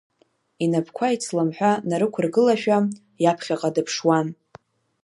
Инапқәа ицламҳәа нарықәргылашәа, иаԥхьаҟа дыԥшуан.